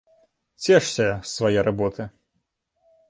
Цешся з свае работы!